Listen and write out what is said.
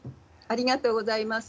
ありがとうございます。